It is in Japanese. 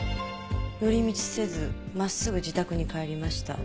寄り道せず真っすぐ自宅に帰りました。